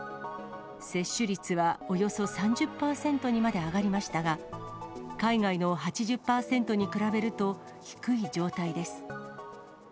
接種率はおよそ３０％にまで上がりましたが、海外の８０％に比べると低い状態です。